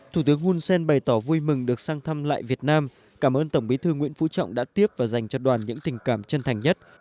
thủ tướng hun sen bày tỏ vui mừng được sang thăm lại việt nam cảm ơn tổng bí thư nguyễn phú trọng đã tiếp và dành cho đoàn những tình cảm chân thành nhất